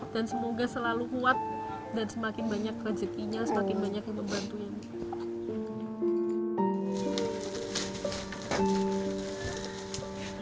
dan semoga selalu kuat dan semakin banyak rezekinya semakin banyak yang membantuin